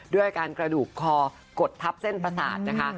ด้วยการกระดูกคอกดทับเส้นประสาทนะคะ